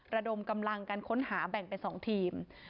ระดมกำลังกันค้นหาแบ่งเป็น๒ทีม